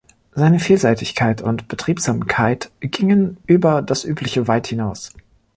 Seine Vielseitigkeit und Betriebsamkeit gingen über das Übliche weit hinaus.